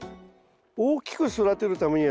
大きく育てるためにはですね